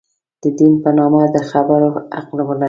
د دین په نامه د خبرو حق ولري.